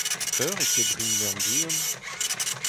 Peur e tebrimp merenn-vihan ?